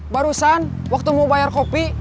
barusan waktu mau bayar kopi